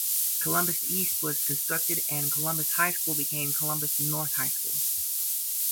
Columbus East was constructed and Columbus High School became Columbus North High School.